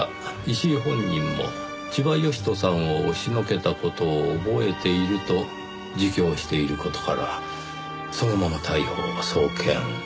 石井本人も千葉義人さんを押しのけた事を覚えていると自供している事からそのまま逮捕送検。